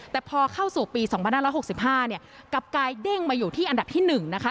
แต่พอเข้าสู่ปี๒๕๖๕เนี่ยกลับกลายเด้งมาอยู่ที่อันดับที่๑นะคะ